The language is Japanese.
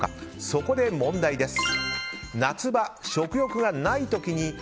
そこで問題です。